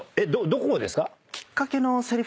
どこですか？